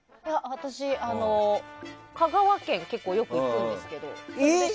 私、香川県に結構よく行くんですけど。